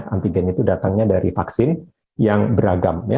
antigen itu datangnya dari vaksin yang beragam